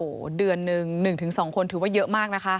โอ้โหเดือนหนึ่ง๑๒คนถือว่าเยอะมากนะคะ